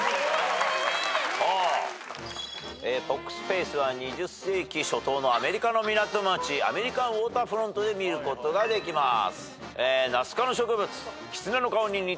フォックスフェイスは２０世紀初頭のアメリカの港町アメリカンウォーターフロントで見ることができます。